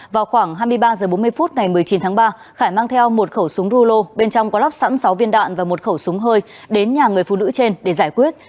vào khoảng hai mươi ba h bốn mươi phút ngày một mươi chín tháng ba khải mang theo một khẩu súng rulo bên trong có lắp sẵn sáu viên đạn và một khẩu súng hơi đến nhà người phụ nữ trên để giải quyết